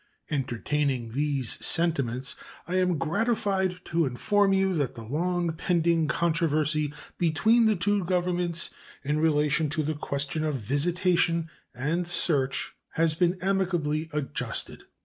Entertaining these sentiments, I am gratified to inform you that the long pending controversy between the two Governments in relation to the question of visitation and search has been amicably adjusted.